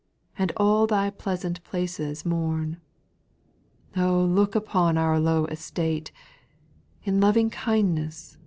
And all Thy pleasant places mourn ; O look upon our low estate ; In loving kindness.